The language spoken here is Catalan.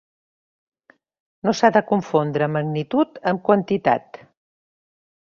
No s'ha de confondre magnitud amb quantitat.